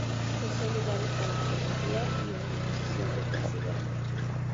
Posee lugares para fotografía y una exposición de taxidermia.